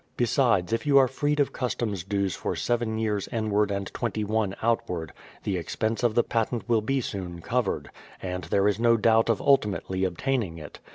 Besides, if you are freed of customs dues for seven years inward and twenty one outward, the expense of the patent will be soon covered; and there is no doubt of ultimately obtaining it.